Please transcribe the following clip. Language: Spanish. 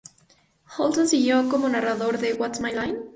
Olson siguió como narrador de "What's My Line?